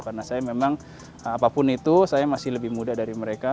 karena saya memang apapun itu saya masih lebih muda dari mereka